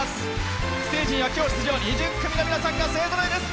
ステージには今日、出場２０組の皆さんが勢ぞろいです。